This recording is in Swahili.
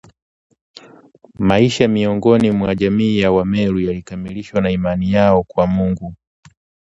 maisha miongoni mwa jamii ya Wameru yalikamilishwa na imani yao kwa Mungu